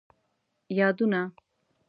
یادونه: